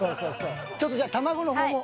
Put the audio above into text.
ちょっとじゃあたまごの方も。